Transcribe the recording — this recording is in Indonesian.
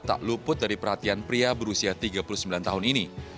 tak luput dari perhatian pria berusia tiga puluh sembilan tahun ini